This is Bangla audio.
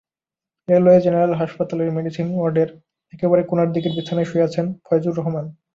রেলওয়ে জেনারেল হাসপাতালের মেডিসিন ওয়ার্ডের একেবারে কোনার দিকের বিছানায় শুয়ে আছেন ফয়জুর রহমান।